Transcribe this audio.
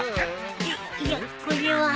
えっいやこれは。